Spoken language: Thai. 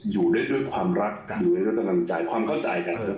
อยู่ด้วยความรักอยู่ด้วยความนำใจความเข้าใจกัน